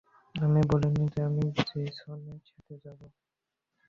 আমি বলিনি যে, আমি জেসনের সাথে যাবো।